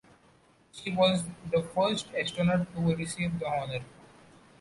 She was the first astronaut to receive the honour.